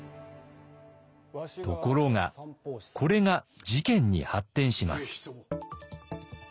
ところがこれが事件に発展します。